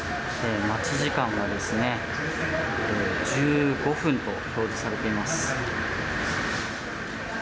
待ち時間は１５分と表示されています。